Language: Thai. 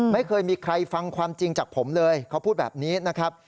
ไม่เคยมีใครฟังความจริงจากผมเลยเขาพูดแบบนี้นะครับ